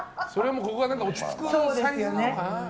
ここが落ち着くサイズなのかな。